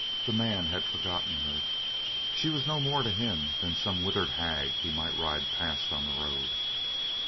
The man had forgotten her! She was no more to him than some withered hag he might ride past on the road.